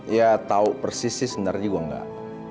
ya tau persis sih sebenarnya gue enggak